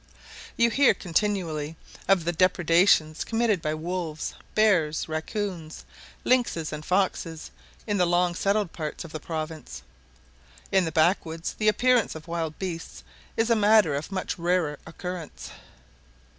You hear continually of depredations committed by wolves, bears, racoons, lynxes, and foxes, in the long settled parts of the province. In the backwoods the appearance of wild beasts is a matter of much rarer occurrence.